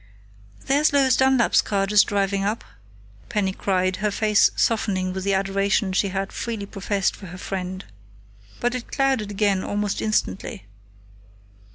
"There's Lois Dunlap's car just driving up," Penny cried, her face softening with the adoration she had freely professed for her friend. But it clouded again almost instantly.